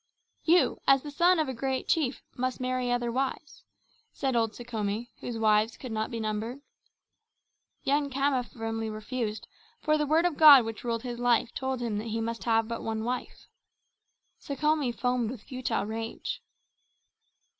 "You, as the son of a great chief, must marry other wives," said old Sekhome, whose wives could not be numbered. Young Khama firmly refused, for the Word of God which ruled his life told him that he must have but one wife. Sekhome foamed with futile rage.